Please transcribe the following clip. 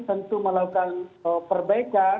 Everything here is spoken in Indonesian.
tentu melakukan perbaikan